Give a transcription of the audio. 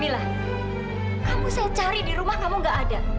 kamu saya cari di rumah kamu gak ada